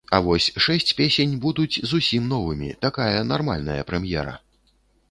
А вось шэсць песень будуць зусім новымі, такая нармальная прэм'ера!